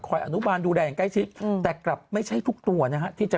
อนุบาลดูแลอย่างใกล้ชิดแต่กลับไม่ใช่ทุกตัวนะฮะที่จะ